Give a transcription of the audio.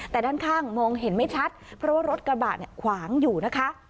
แต่ด้านข้างมองเห็นไม่ชัดเพราะว่ารถกระบะเนี่ยขวางอยู่นะคะ